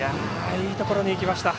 いいところにいきました。